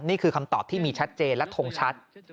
นี่คือคำตอบที่มีชัดเจนและทงชัด